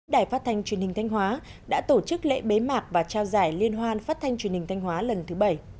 đài phát thanh truyền hình thanh hóa đã tổ chức lễ bế mạc và trao giải liên hoan phát thanh truyền hình thanh hóa lần thứ bảy